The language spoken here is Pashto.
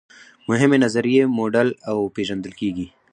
مهمې نظریې موډل او پیژندل کیږي.